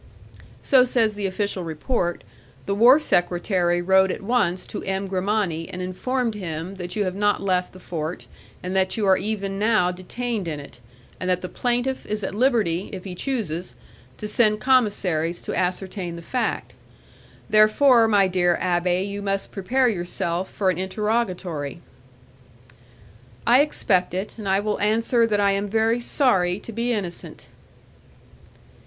"So says the official report. The war secretary wrote at once to M. Grimani and informed him that you have not left the fort, and that you are even now detained in it, and that the plaintiff is at liberty, if he chooses, to send commissaries to ascertain the fact. Therefore, my dear abbé, you must prepare yourself for an interrogatory." "I expect it, and I will answer that I am very sorry to be innocent."